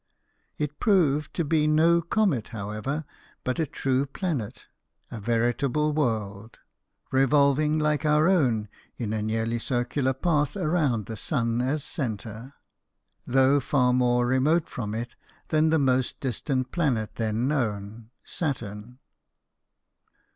It proved to be no comet, however, but a true planet a veritable world, revolving like our own in a nearly circular path around the sun as centre, though far more remote from it than the most distant planet then known, Saturn.